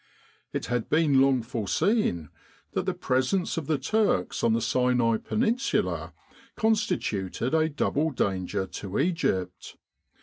It had been long foreseen that the presence of the Turks on the Sinai Peninsula constituted a double danger to Egypt.